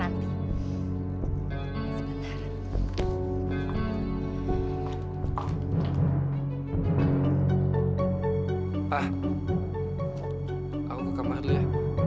aku ke kamar dulu ya